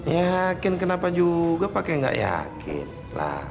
yakin kenapa juga pakai nggak yakin lah